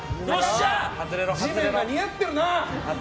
地面が似合ってるな。